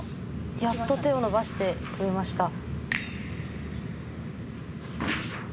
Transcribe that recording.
やっと手を伸ばしてくれました」